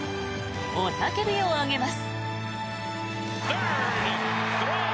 雄たけびを上げます。